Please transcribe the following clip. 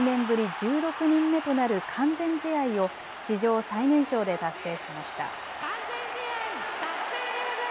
ぶり１６人目となる完全試合を史上最年少で達成しました。